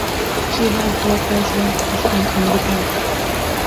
She ran for president as an independent.